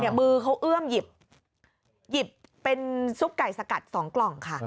เนี้ยมือเขาอื่มหยิบหยิบเป็นซุปไก่สกัดสองกล่องค่ะ